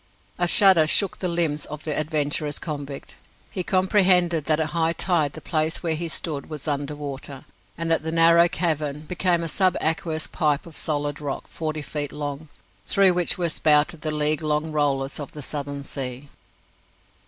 A shudder shook the limbs of the adventurous convict. He comprehended that at high tide the place where he stood was under water, and that the narrow cavern became a subaqueous pipe of solid rock forty feet long, through which were spouted the league long rollers of the Southern Sea.